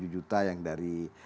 tiga tujuh juta yang dari